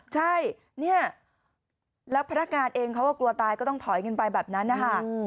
ใช่เนี่ยแล้วพนักงานเองเขาก็กลัวตายก็ต้องถอยกันไปแบบนั้นนะคะ